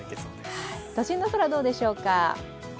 都心の空、どうでしょうか。